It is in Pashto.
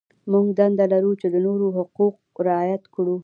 موږ دنده لرو چې د نورو حقوق رعایت کړو.